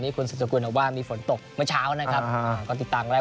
นี่คุณสุดสกุลเราว่ามีฝนตกเมื่อเช้านะครับก่อนติดตามอะไร